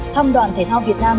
thăm đoàn thể thao việt nam